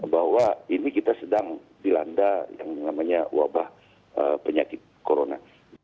bahwa ini kita sedang dilanda yang namanya wabah penyakit corona